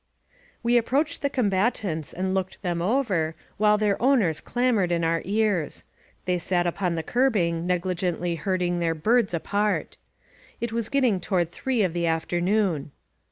^ We approached the combatants and looked them over, nhile their o w ners clamored in our ears. They sat upon the curbing negligently herding their birds apart* It was getting toward three of the afternoon.